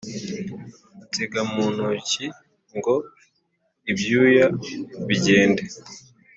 ansiga mu ntoki ngo ibyuya bigende.